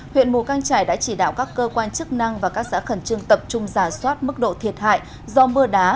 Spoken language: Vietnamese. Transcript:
huyện mù căng trải đã chỉ đạo các cơ quan chức năng và các xã khẩn trương tập trung giả soát mức độ thiệt hại do mưa đá